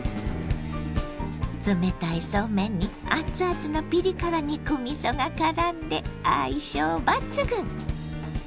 冷たいそうめんに熱々のピリ辛肉みそがからんで相性抜群！